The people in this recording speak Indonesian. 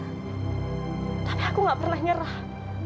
tapi aku gak pernah nyerah